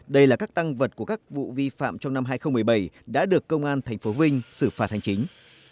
đây là các tăng vật của các vụ vi phạm trong năm hai nghìn một mươi bảy đã được công an tp vinh xử phạt hành chính